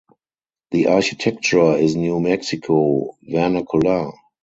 The architecture is New Mexico vernacular.